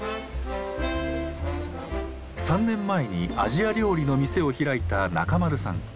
３年前にアジア料理の店を開いた中丸さん。